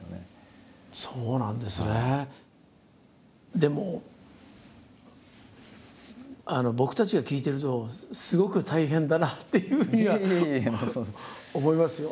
でも僕たちが聞いてるとすごく大変だなっていうふうには思いますよ。